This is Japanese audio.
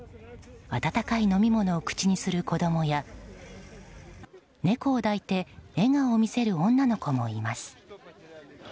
温かい飲み物を口にする子供や猫を抱いて笑顔を見せる女の子もいます。